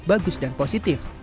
bagus dan positif